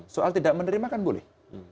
soal tidak menerimakan boleh